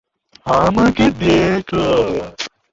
আমাকে দেখা।